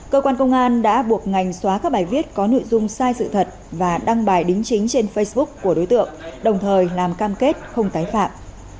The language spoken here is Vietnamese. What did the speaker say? cơ quan công an đã buộc ngành xóa các bài viết có nội dung sai sự thật và đăng bài đính chính trên facebook của đối tượng đồng thời làm cam kết không tái phạm